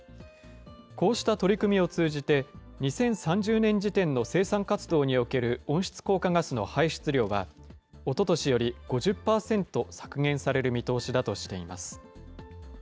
こうした取り組みを通じて、２０３０年時点の生産活動における温室効果ガスの排出量は、おととしより５０％削減される見通しだとしています。